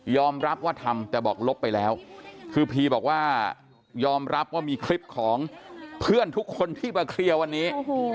รับว่าทำแต่บอกลบไปแล้วคือพีบอกว่ายอมรับว่ามีคลิปของเพื่อนทุกคนที่มาเคลียร์วันนี้